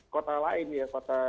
kota lain ya kota